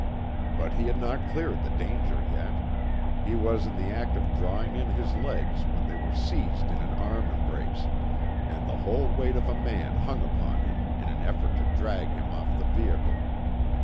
But he had not cleared the danger yet. He was in the act of drawing in his legs when they were seized in an arm embrace, and the whole weight of a man hung upon him in an effort to drag him off the vehicle.